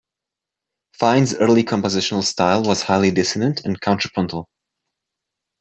Fine's early compositional style was highly dissonant and contrapuntal.